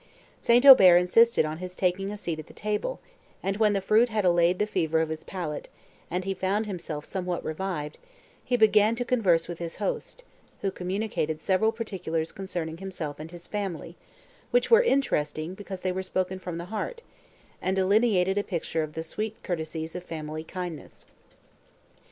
St. Aubert insisted on his taking a seat at the table, and, when the fruit had allayed the fever of his palate, and he found himself somewhat revived, he began to converse with his host, who communicated several particulars concerning himself and his family, which were interesting, because they were spoken from the heart, and delineated a picture of the sweet courtesies of family kindness.